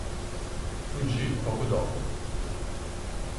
Fuggì poco dopo.